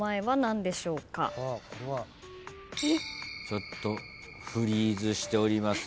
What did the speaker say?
ちょっとフリーズしております